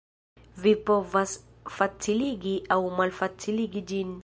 Vi povas faciligi aŭ malfaciligi ĝin.